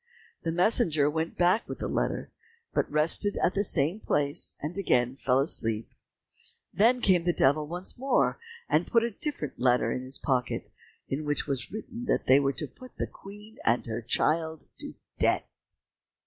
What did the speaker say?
The messenger went back with the letter, but rested at the same place and again fell asleep. Then came the Devil once more, and put a different letter in his pocket, in which it was written that they were to put the Queen and her child to death.